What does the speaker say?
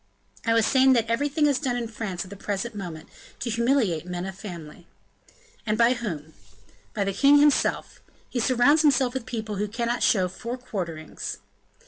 "I was saying that everything is done in France at the present moment, to humiliate men of family." "And by whom?" "By the king himself. He surrounds himself with people who cannot show four quarterings."